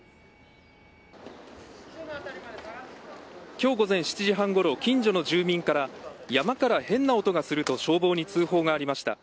今日午前７時半ごろ近所の住民から山から変な音がすると消防に通報がありました。